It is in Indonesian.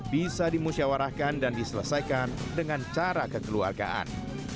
bisa dimusyawarahkan dan diselesaikan dengan cara kekeluargaan